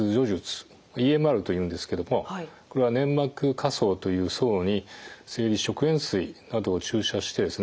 ＥＭＲというんですけどもこれは粘膜下層という層に生理食塩水などを注射してですね